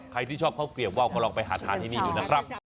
ใครที่ชอบข้าวเกลียบว่าวก็ลองไปหาทานที่นี่ดูนะครับ